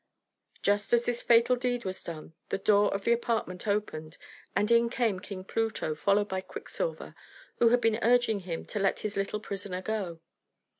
Just as this fatal deed was done, the door of the apartment opened, and in came King Pluto, followed by Quicksilver, who had been urging him to let his little prisoner go.